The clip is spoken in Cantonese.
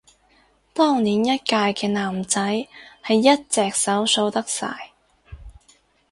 當年一屆嘅男仔係一隻手數得晒